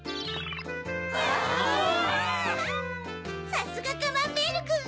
さすがカマンベールくん！